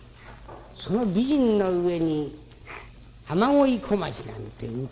その美人な上に雨乞い小町なんて歌がうまい。